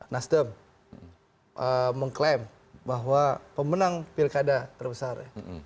nasdem mengklaim bahwa pemenang pilkada terbesar